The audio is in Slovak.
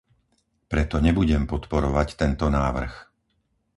Preto nebudem podporovať tento návrh.